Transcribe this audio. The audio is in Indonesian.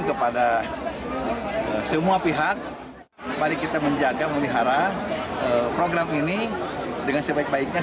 kepada semua pihak mari kita menjaga memelihara program ini dengan sebaik baiknya